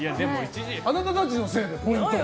あなたたちのせいで、ポイントが。